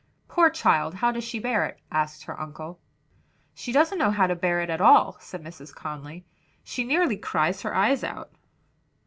"Poor child! how does she bear it?" asked her uncle. "She doesn't know how to bear it at all," said Mrs. Conly; "she nearly cries her eyes out."